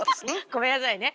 ごめんなさいね。